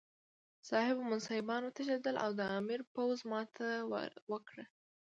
صاحب منصبان وتښتېدل او د امیر پوځ ماته وکړه.